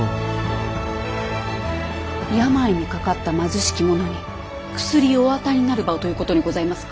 病にかかった貧しき者に薬をお与えになる場をということにございますか？